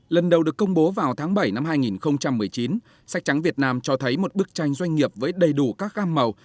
lần đầu được công bố vào tháng bảy năm hai nghìn một mươi chín sách trắng việt nam cho thấy một bức tranh doanh nghiệp với đầy đủ các gam màu